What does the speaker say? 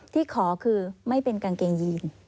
ที่ขอคือไม่เป็นกางเกงยีน